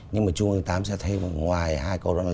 trung ương tám sẽ thấy ngoài hai câu đó là